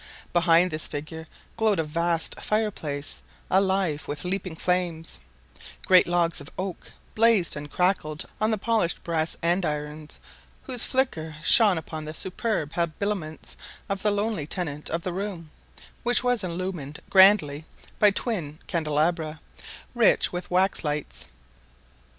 Behind this figure glowed a vast fireplace alive with leaping flames; great logs of oak blazed and crackled on the polished brass andirons whose flicker shone upon the superb habiliments of the lonely tenant of the room, which was illumined grandly by twin candelabra rich with wax lights.